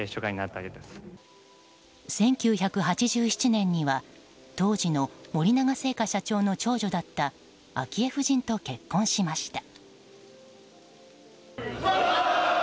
１９８７年には当時の森永製菓社長の長女だった昭恵夫人と結婚しました。